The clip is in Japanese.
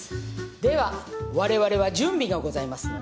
ではわれわれは準備がございますので。